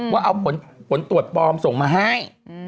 ว่าเอาผลตรวจปลอมส่งมาให้